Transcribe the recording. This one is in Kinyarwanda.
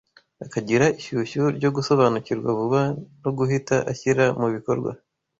akagira ishyushyu ryo gusobanukirwa vuba no guhita ashyira mu bikorwa